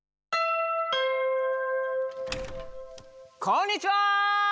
こんにちは！